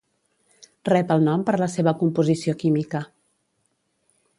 Rep el nom per la seva composició química.